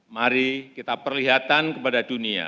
mari kita perlihatkan kepada dunia